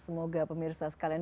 semoga pemirsa sekalian